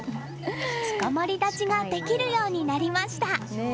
つかまり立ちができるようになりました。